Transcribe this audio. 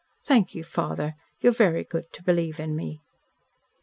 Thank you, father, you are very good to believe in me."